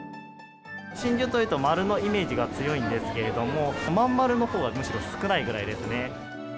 真珠というと丸のイメージが強いんですけれども、まんまるのほうがむしろ、少ないぐらいですね。